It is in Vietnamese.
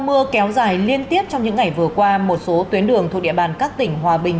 mưa kéo dài liên tiếp trong những ngày vừa qua một số tuyến đường thuộc địa bàn các tỉnh hòa bình